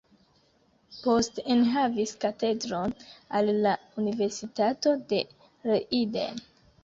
Poste enhavis katedron al la universitato de Leiden.